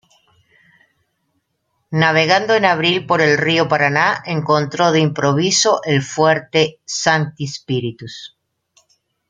Navegando en abril por el Río Paraná, encontró de improviso el fuerte Sancti Spiritus.